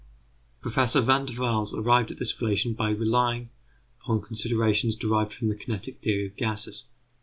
Professor Van der Waals arrived at this relation by relying upon considerations derived from the kinetic theory of gases.